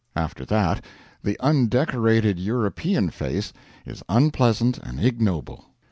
After that, the undecorated European face is unpleasant and ignoble.